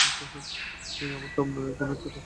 আমাকে আপনার কোনো একটা কাজ দিতে পারেন না?